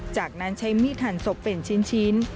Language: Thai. จากนั้นใช้มีดหันศพเป็นชิ้น